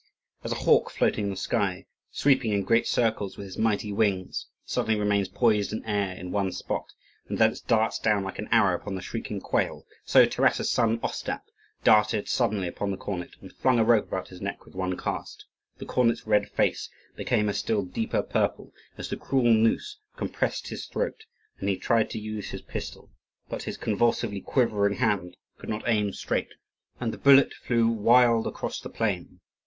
As a hawk floating in the sky, sweeping in great circles with his mighty wings, suddenly remains poised in air, in one spot, and thence darts down like an arrow upon the shrieking quail, so Taras's son Ostap darted suddenly upon the cornet and flung a rope about his neck with one cast. The cornet's red face became a still deeper purple as the cruel noose compressed his throat, and he tried to use his pistol; but his convulsively quivering hand could not aim straight, and the bullet flew wild across the plain.